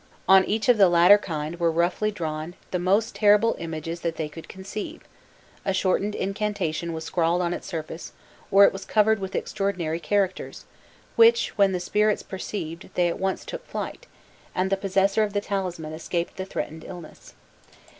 On each of the latter kind were roughly drawn the most terrible images that they could conceive, a shortened incantation was scrawled on its surface, or it was covered with extraordinary characters, which when the spirits perceived they at once took flight, and the possessor of the talisman escaped the threatened illness.